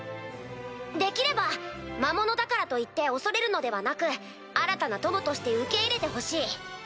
できれば魔物だからといって恐れるのではなく新たな友として受け入れてほしい。